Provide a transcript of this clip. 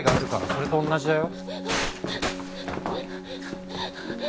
それと同じだよ。